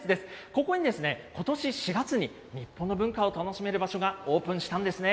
ここにことし４月に日本の文化を楽しめる場所がオープンしたんですね。